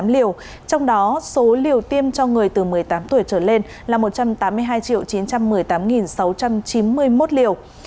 chín trăm sáu mươi ba bảy trăm một mươi tám liều trong đó số liều tiêm cho người từ một mươi tám tuổi trở lên là một trăm tám mươi hai triệu chín trăm một mươi tám sáu trăm chín mươi một liều